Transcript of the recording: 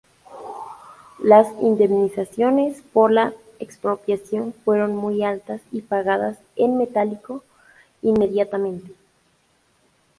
Las indemnizaciones por la expropiación fueron muy altas y pagadas en metálico inmediatamente.